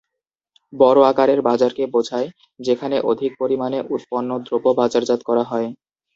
বড় আকারের বাজারকে বোঝায় যেখানে অধিক পরিমাণে উৎপন্ন দ্রব্য বাজারজাত করা হয়।